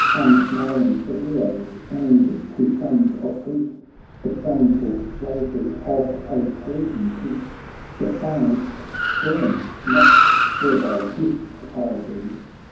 Unknown to heroes and to sons of Greece The shameful slavery of a Persian peace ; Defiance stern, not servile gifts I bring.